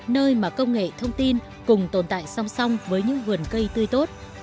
nơi mà công nghệ thông tin cùng tồn tại song song với những vườn cây tươi tốt